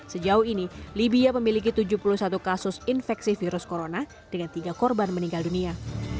sejauh ini libya memiliki tujuh puluh satu kasus infeksi virus corona dengan tiga korban meninggal dunia